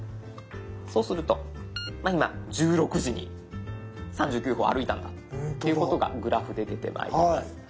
そうすると今１６時に３９歩歩いたんだっていうことがグラフで出てまいります。